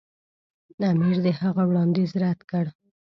امیر د هغه وړاندیز رد کړ.